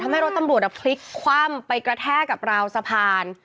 ทำให้รถตำรวจพลิกคว่ำไปกระแทกกับราวสะพาน